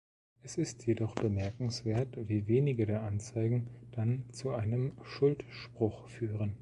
Es ist jedoch bemerkenswert, wie wenige der Anzeigen dann zu einem Schuldspruch führen.